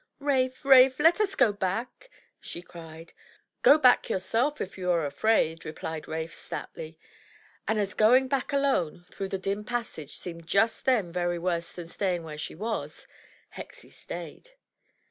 "Rafe! Rafe! let us go back," she cried. "Go back yourself if you are afraid," replied Ralph, stoutly; and as going back alone through the dim passage seemed just then worse than staying where she was, Hexie stayed.